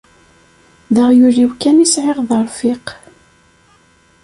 D aɣyul-iw kan i sɛiɣ d arfiq.